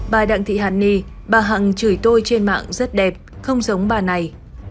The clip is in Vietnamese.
bà đặng thị hàn ni bà hằng chửi tôi trên mạng rất đẹp không giống bà này